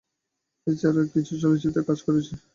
এ ছাড়া কিছু চলচ্চিত্রেও কাজ করেছি।